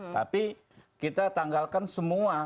tapi kita tanggalkan semua